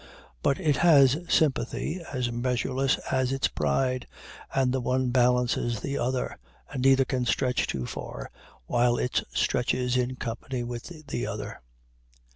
But it has sympathy as measureless as its pride, and the one balances the other, and neither can stretch too far while it stretches in company with the other.